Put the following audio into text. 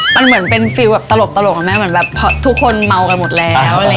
มันเหมือนเป็นฟิลแบบตลกอะแม่เหมือนแบบทุกคนเมากันหมดแล้ว